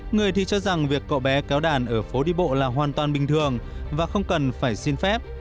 người thì cho rằng việc cậu bé kéo đàn ở phố đi bộ là hoàn toàn bình thường và không cần phải xin phép